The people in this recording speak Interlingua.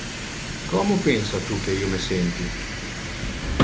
Como pensa tu que io me senti?